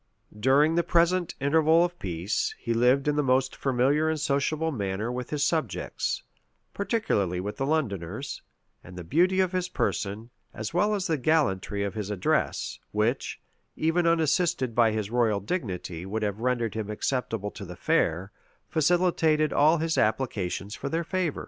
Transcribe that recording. During the present interval of peace, he lived in the most familiar and sociable manner with his subjects,[] particularly with the Londoners; and the beauty of his person, as well as the gallantry of his address, which, even unassisted by his royal dignity, would have rendered him acceptable to the fair, facilitated all his applications for their favor.